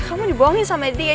kamu dibohongin sama adi ya